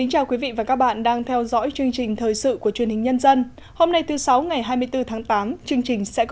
hãy đăng ký kênh để ủng hộ kênh của chúng mình nhé